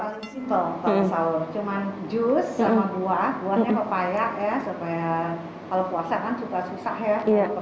paling simple kalau sahur cuma jus sama buah buahnya papaya ya kalau puasa kan susah susah ya